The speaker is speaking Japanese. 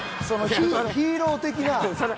そのヒーロー的な。